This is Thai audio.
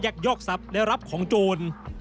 แยกยอกทรัพย์ได้รับของโจร